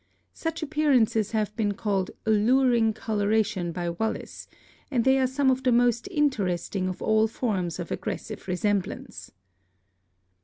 Such appearances have been called Alluring Coloration by Wallace, and they are some of the most interesting of all forms of Aggressive Resemblance.